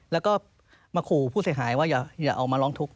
แล้วก็มาขู่ผู้เสียหายว่าอย่าเอามาร้องทุกข